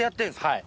はい。